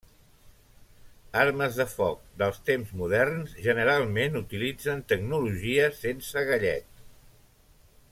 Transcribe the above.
Armes de foc dels temps moderns generalment utilitzen tecnologia sense gallet.